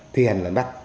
thi hành lệnh bắt